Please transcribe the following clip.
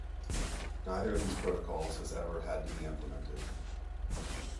Neither of these protocols has ever had to be implemented.